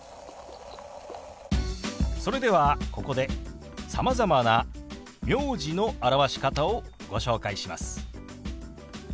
それではここでさまざまな名字の表し方をご紹介します。